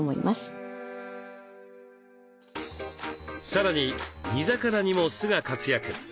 さらに煮魚にも酢が活躍。